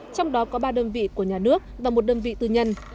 trong đó có ba đơn vị của nhà nước và một đơn vị tư nhân